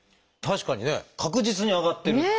確かにね確実に上がってる。